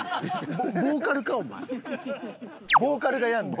ヴォーカルがやんねん。